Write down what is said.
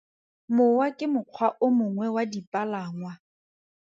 Mowa ke mokgwa o mongwe wa dipalangwa.